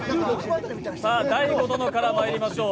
さあ、大悟殿からまいりましょう。